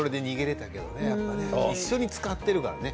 一緒に使っているからね